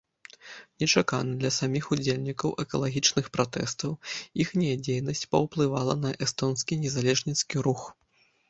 Нечакана для саміх удзельнікаў экалагічных пратэстаў, іхняя дзейнасць паўплывала на эстонскі незалежніцкі рух.